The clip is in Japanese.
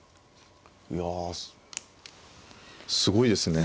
いやすごいですね。